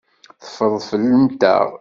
Teffreḍ fell-anteɣ.